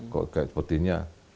kalau seperti ini